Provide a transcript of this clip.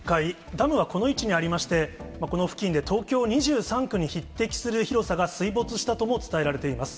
ダムはこの位置にありまして、この付近で東京２３区に匹敵する広さが水没したとも伝えられています。